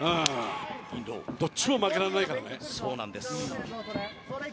どっちも負けられないからね。